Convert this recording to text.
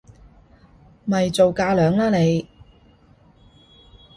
咪做架樑啦你！